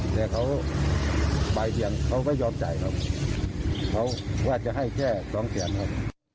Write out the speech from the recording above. แต่เขาปลายเตียงเขาก็ยอมจ่ายครับเขาว่าจะให้แค่สองแสนครับ